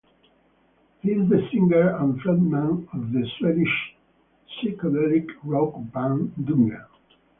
He is the singer and frontman of the Swedish psychedelic rock band Dungen.